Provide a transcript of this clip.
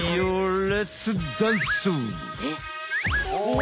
お！